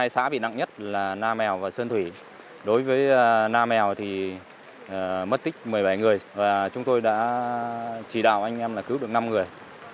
hai xã bị nặng nhất là nam mèo và sơn thủy đối với nam mèo thì mất tích một mươi bảy người và chúng tôi đã chỉ đạo anh em cứu được năm người